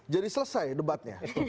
jadi selesai debatnya